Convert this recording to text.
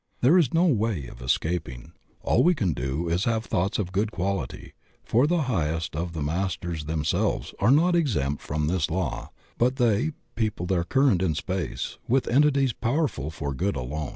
There is no way of escaping; all we can do is to have thoughts of good quality, for the highest of the Masters them selves are not exempt from this law, but they "people their current in space" with entities powerful for good alone.